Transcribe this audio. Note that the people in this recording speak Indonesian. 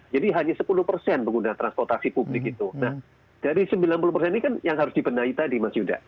jadi hanya sepuluh persen penggunaan transportasi publik itu